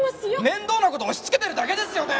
面倒な事を押しつけてるだけですよね？